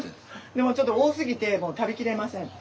でもちょっと多すぎてもう食べきれません。